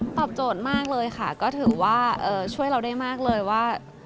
ตอบโจทย์มากเลยค่ะก็ถือว่าช่วยเราได้มากเลยว่า